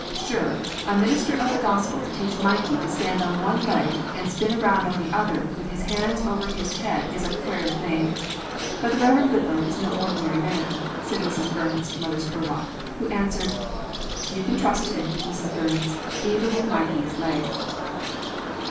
"Sure, a minister of the gospel to teach me Mikey to stand on one leg and spin around on the other with his hands over his head is a quare thing, but the Riverend Goodloe is no ordinary man," said Mrs. Burns to Mother Spurlock, who answered: "You can trust him, Mrs. Burns, even with Mikey's legs."